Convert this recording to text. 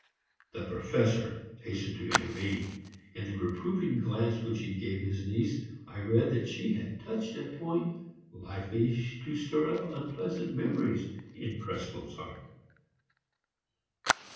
The Professor hastened to intervene; in the reproving glance which he gave his niece I read that she had touched a point likely to stir up unpleasant memories in Krespel's heart.